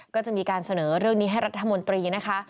ก็จะมีการเสนอเรื่องนี้ให้รัฐมนตรีนะคะ